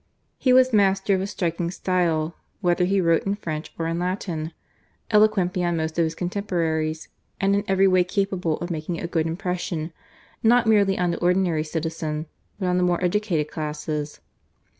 He was master of a striking style whether he wrote in French or in Latin, eloquent beyond most of his contemporaries, and in every way capable of making a good impression not merely on the ordinary citizen but on the more educated classes.